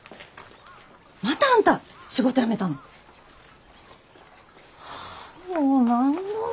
またあんた仕事辞めたの？はあもう何度目。